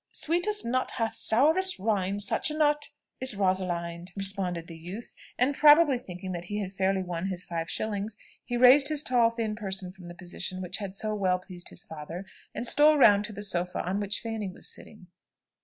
"Sweetest nut hath sourest rind, Such a nut is Rosalind." responded the youth; and probably thinking that he had fairly won his five shillings, he raised his tall thin person from the position which had so well pleased his father, and stole round to the sofa on which Fanny was sitting.